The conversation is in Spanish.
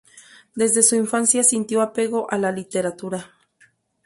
Desde su infancia sintió apego a la literatura.